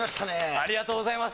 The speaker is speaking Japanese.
ありがとうございます。